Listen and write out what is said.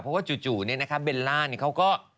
เพราะว่าจู่เนี่ยนะคะเบลล่าเขาก็